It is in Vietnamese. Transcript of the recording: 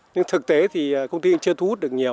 nhưng thực tế thì công ty chưa thu hút được nhiều